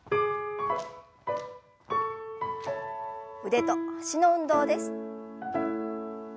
腕と脚の運動です。